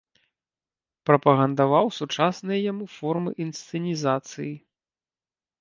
Прапагандаваў сучасныя яму формы інсцэнізацыі.